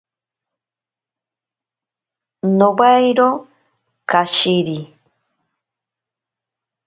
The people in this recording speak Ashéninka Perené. Nowairo kashiri.